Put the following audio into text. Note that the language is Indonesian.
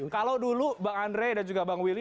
kalau dulu bang andre dan juga bang willy